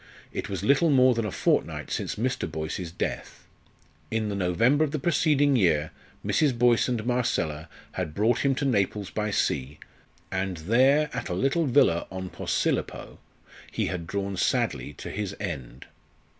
It was little more than a fortnight since Mr. Boyce's death. In the November of the preceding year Mrs. Boyce and Marcella had brought him to Naples by sea, and there, at a little villa on Posilippo, he had drawn sadly to his end.